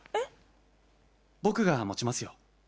・僕が持ちますよ。